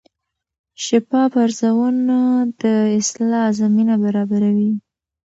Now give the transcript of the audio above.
شفاف ارزونه د اصلاح زمینه برابروي.